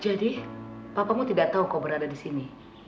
jadi bapakmu tidak tahu kau berada di sini